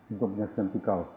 untuk menyaksikan spikal